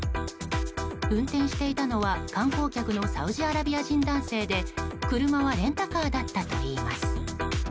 運転していたのは観光客のサウジアラビア人男性で車はレンタカーだったといいます。